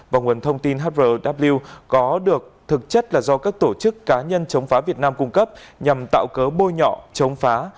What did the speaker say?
và nguồn thông tin hww có được thực chất là do các tổ chức cá nhân chống phá việt nam cung cấp nhằm tạo cớ bôi nhọ chống phá